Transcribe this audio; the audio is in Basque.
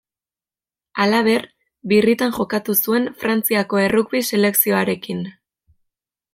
Halaber, birritan jokatu zuen Frantziako errugbi selekzioarekin.